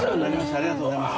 ありがとうございます。